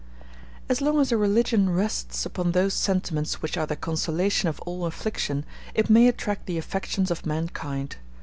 As long as a religion rests upon those sentiments which are the consolation of all affliction, it may attract the affections of mankind.